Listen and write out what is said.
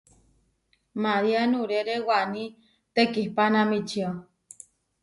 María nuʼrére Waní tekihpanamíčio.